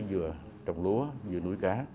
vừa trồng lúa vừa nuôi cá